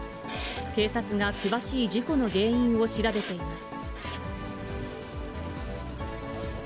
警察が詳しい事故の原因を調べています。